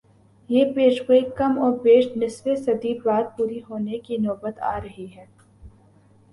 یہ پیشگوئی کم و بیش نصف صدی بعد پوری ہونے کی نوبت آ رہی ہے۔